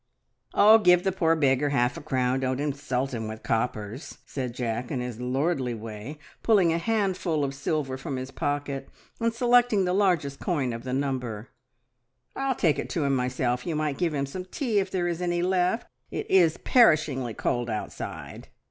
"Oh, give the poor beggar half a crown. Don't insult him with coppers," said Jack in his lordly way, pulling a handful of silver from his pocket and selecting the largest coin of the number. "I'll take it to him myself. You might give him some tea if there is any left. It is perishingly cold outside!"